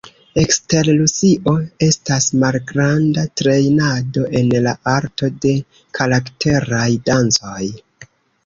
Ekster Rusio, estas malgranda trejnado en la arto de karakteraj dancoj.